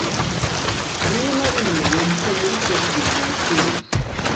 Rimwe na rimwe, yagiye muri Tokiyo mu bucuruzi.